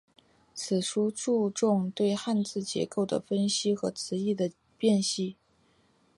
此书注重对汉字结构的分析和词义的辨析。